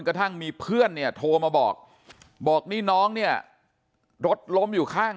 กระทั่งมีเพื่อนเนี่ยโทรมาบอกบอกนี่น้องเนี่ยรถล้มอยู่ข้าง